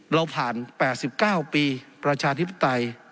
เราผ่าน๘๙ปีประชาธิปไตย